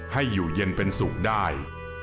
ให้อยู่เย็นเป็นสุขได้